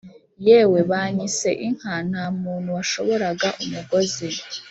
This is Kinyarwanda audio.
yewe, banyise inka ntamuntu washoboraga umugozi